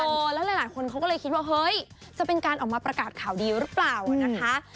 แล้วหลายคนเขาก็เลยคิดว่าเฮ้ยจะเป็นการออกมาประกาศข่าวดีหรือเปล่านะคะ